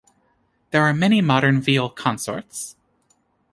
There are many modern viol consorts.